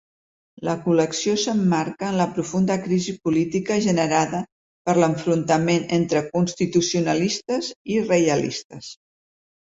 La col·lecció s'emmarca en la profunda crisi política generada per l'enfrontament entre constitucionalistes i reialistes.